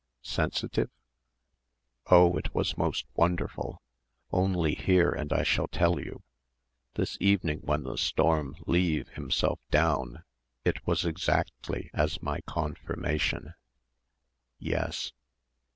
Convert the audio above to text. "Sensitive?" "Oh, it was most wonderful. Only hear and I shall tell you. This evening when the storm leave himself down it was exactly as my Konfirmation." "Yes."